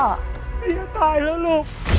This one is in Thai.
บียะตายแล้วลูก